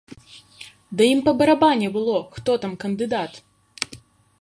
Да ім па барабане было, хто там кандыдат!